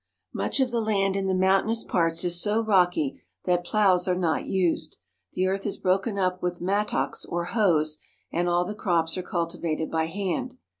Much of the land in the mountainous parts is so rocky that ploughs are not used. The earth is broken up with mattocks or hoes and all the crops are cultivated by hand.